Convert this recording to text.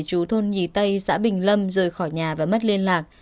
chú thôn nhì tây xã bình lâm rời khỏi nhà và mất liên lạc